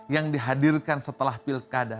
yang dihadirkan setelah pilkada